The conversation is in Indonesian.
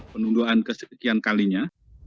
penundaan kesekian kalinya